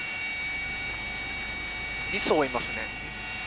２艘いますね。